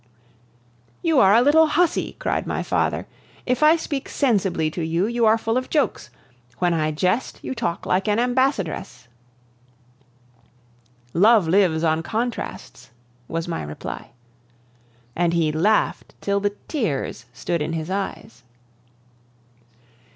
"You are a little hussy," cried my father. "If I speak sensibly to you, you are full of jokes; when I jest, you talk like an ambassadress." "Love lives on contrasts," was my reply. And he laughed till the tears stood in his eyes.